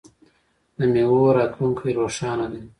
د میوو راتلونکی روښانه دی.